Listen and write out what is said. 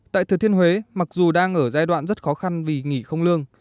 tại thừa thiên huế mặc dù đang ở giai đoạn rất khó khăn vì nghỉ không lương